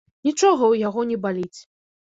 Нічога ў яго не баліць.